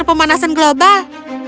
monster pemanasan global